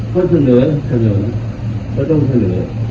เขาเสนอเขาต้องเสนอ